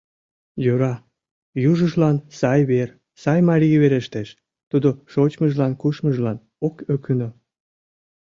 Йӧра, южыжлан сай вер, сай марий верештеш, тудо шочмыжлан-кушмыжлан ок ӧкынӧ...